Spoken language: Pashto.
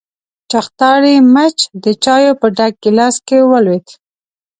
چختاړي مچ د چايو په ډک ګيلاس کې ولوېد.